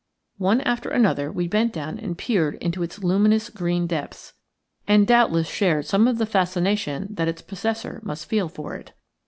One after another we bent down and peered into its luminous green depths, and doubtless shared some of the fascination that its possessor must feel for it.